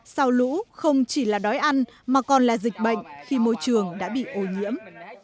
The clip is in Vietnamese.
sau lũ không chỉ là đói ăn mà còn là dịch bệnh khi môi trường đã bị ô nhiễm